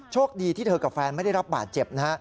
โชคดีที่เธอกับแฟนไม่ได้รับบาดเจ็บนะฮะ